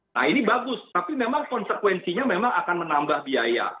nah ini bagus tapi memang konsekuensinya memang akan menambah biaya